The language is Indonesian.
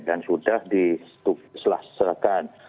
dan sudah diselaksakan